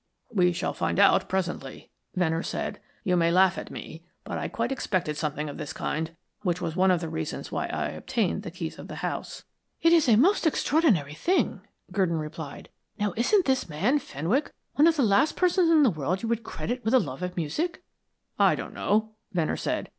"We shall find out presently," Venner said. "You may laugh at me, but I quite expected something of this kind, which was one of the reasons why I obtained the keys of the house." "It's a most extraordinary thing," Gurdon replied. "Now isn't this man Fenwick one of the last persons in the world you would credit with a love of music?" "I don't know," Venner said.